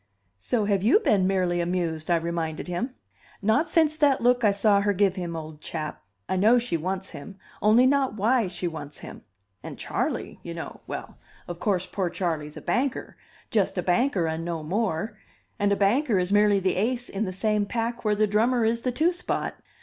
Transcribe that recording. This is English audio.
"So have you been merely amused," I reminded him. "Not since that look I saw her give him, old chap. I know she wants him, only not why she wants him. And Charley, you know well, of course, poor Charley's a banker, just a banker and no more; and a banker is merely the ace in the same pack where the drummer is the two spot.